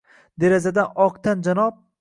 Derazadan oq tan janob